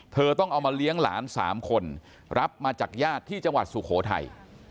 ต้องเอามาเลี้ยงหลาน๓คนรับมาจากญาติที่จังหวัดสุโขทัย